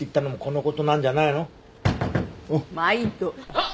あっ！